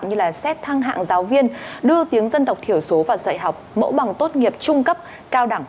như là xét thăng hạng giáo viên đưa tiếng dân tộc thiểu số vào dạy học mẫu bằng tốt nghiệp trung cấp cao đẳng